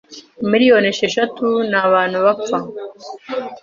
Miliyoni esheshatu ni abantu bapfa